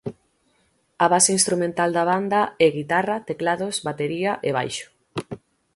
A base instrumental da banda é guitarra, teclados, batería e baixo.